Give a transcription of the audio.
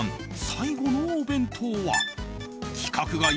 最後のお弁当は規格外？